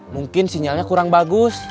mungkin sinyalnya kurang bagus